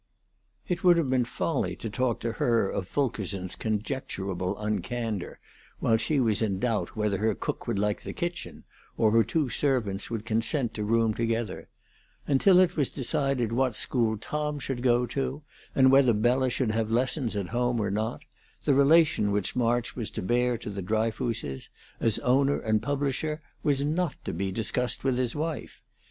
It would have been folly to talk to her of Fulkerson's conjecturable uncandor while she was in doubt whether her cook would like the kitchen, or her two servants would consent to room together; and till it was decided what school Tom should go to, and whether Bella should have lessons at home or not, the relation which March was to bear to the Dryfooses, as owner and publisher, was not to be discussed with his wife.